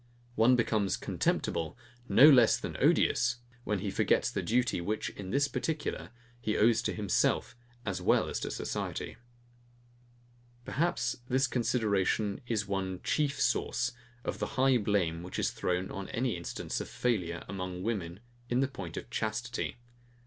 One becomes contemptible, no less than odious, when he forgets the duty, which, in this particular, he owes to himself as well as to society. Perhaps, this consideration is one CHIEF source of the high blame, which is thrown on any instance of failure among women in point of CHASTITY.